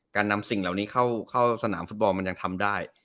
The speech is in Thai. การนำสิ่งเหล่านี้เข้าสนามฟุตบอลมันยังทำได้